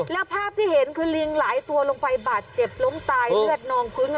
แล้วภาพที่เห็นคือลิงหลายตัวลงไปบาดเจ็บล้มตายเลือดนองพื้น